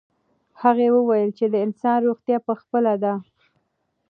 هغه وویل چې د انسان روغتیا په خپله ده.